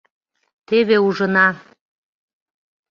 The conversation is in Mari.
Теве ужына.